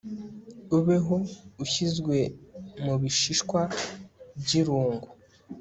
ubeho ushyizwe mubishishwa byirungu